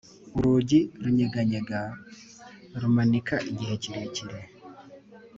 urugi runyeganyega rumanika igihe kirekire